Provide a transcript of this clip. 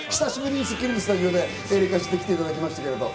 『スッキリ』のスタジオでエレカシで来ていただきましたけど。